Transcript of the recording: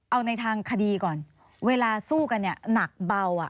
เอาในทางคดีก่อนเวลาสู้กันหนักเบา